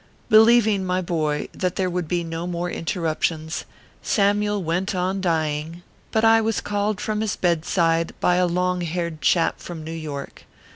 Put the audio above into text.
Believing, my boy, that there would be no more interruptions, Samyule went on dying ; but I was called from his bedside by a long haired chap from New York.